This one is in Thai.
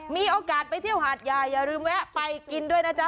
มีโอกาสไปเที่ยวหาดใหญ่อย่าลืมแวะไปกินด้วยนะจ๊